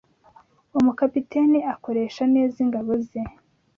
Uwo mukapiteni akoresha neza ingabo ze.